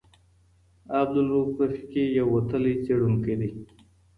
عبدالروف رفیقي یو وتلی څېړونکی دی.